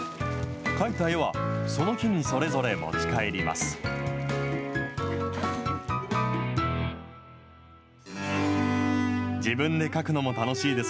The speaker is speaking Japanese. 描いた絵は、その日にそれぞれ持ち帰ります。